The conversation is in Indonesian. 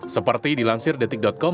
seperti dilansir detik com